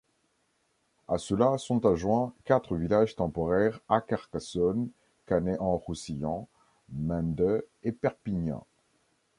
À cela sont adjoints quatre villages temporaires à Carcassonne, Canet-en-Roussillon, Mende et Perpignan.